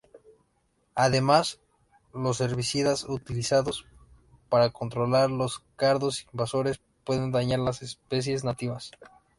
Además, los herbicidas utilizados para controlar los cardos invasores pueden dañar las especies nativas.